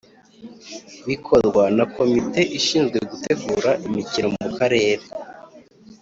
Bikorwa na komite ishinzwe gutegura imikino mu karere